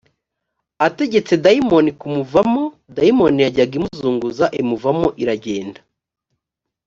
ategetse dayimoni kumuvamo dayimoni yajyaga imuzunguza imuvamo iragenda